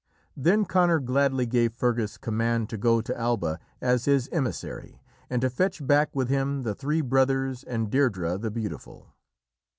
Then Conor gladly gave Fergus command to go to Alba as his emissary, and to fetch back with him the three brothers and Deirdrê the Beautiful.